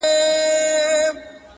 • نصیب درکړې داسي لمن ده -